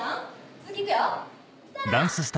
次行くよ。